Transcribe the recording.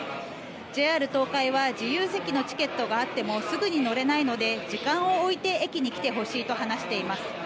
ＪＲ東海は自由席のチケットがあってもすぐに乗れないので時間を置いて駅に来てほしいと話しています。